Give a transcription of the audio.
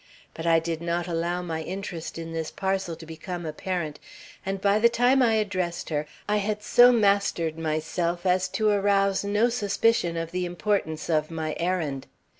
But I did not allow my interest in this parcel to become apparent, and by the time I addressed her I had so mastered myself as to arouse no suspicion of the importance of my errand.